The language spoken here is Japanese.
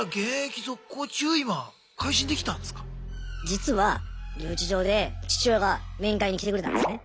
実は留置場で父親が面会に来てくれたんですね。